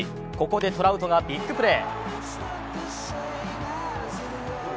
ここでトラウトがビッグプレー。